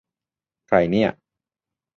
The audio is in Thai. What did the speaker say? ใครเนี่ย !